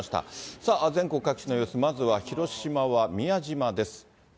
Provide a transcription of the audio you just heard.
さあ、全国各地の様子、まずは広島は宮島です。